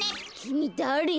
きみだれ？